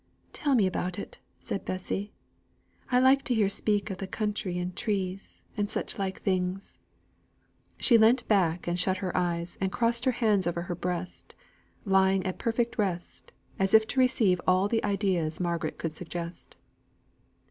"Tell me about it," said Bessy. "I like to hear speak of the country, and trees, and such like things." She leant back, and shut her eyes, and crossed her hands over her breast, lying at perfect rest, as if to receive all the ideas Margaret could suggest.